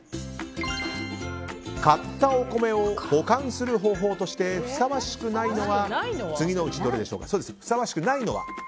買ったお米を保管する方法としてふさわしくないのは次のうちどれでしょうか。